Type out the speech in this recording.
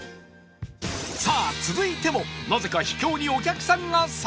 さあ続いてもなぜか秘境にお客さんが殺到！